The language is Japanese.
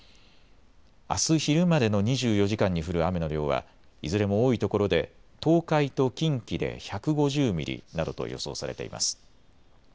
あす昼までの２４時間に降る雨の量はいずれも多いところで東海と近畿で１５０ミリなどと予想されています。